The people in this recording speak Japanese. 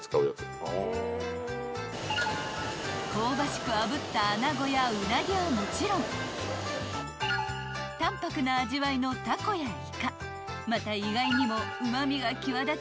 ［香ばしくあぶった穴子やウナギはもちろん淡泊な味わいのタコやイカまた意外にもうま味が際立ち